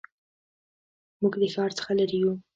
موږ د ښار څخه لرې یو